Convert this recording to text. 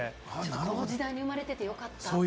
この時代に生まれててよかった。